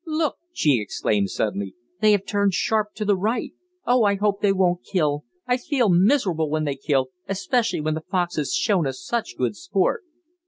"Look," she exclaimed suddenly, "they have turned sharp to the right. Oh, I hope they won't kill! I feel miserable when they kill, especially when the fox has shown us such good sport."